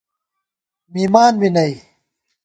مِمان بی نئ